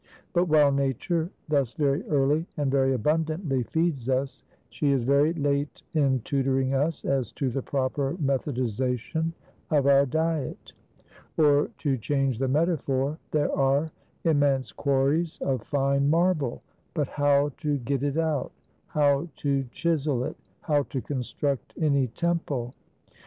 But while nature thus very early and very abundantly feeds us, she is very late in tutoring us as to the proper methodization of our diet. Or, to change the metaphor, there are immense quarries of fine marble; but how to get it out; how to chisel it; how to construct any temple?